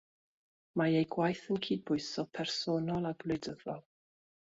Mae ei gwaith yn cydbwyso personol a gwleidyddol.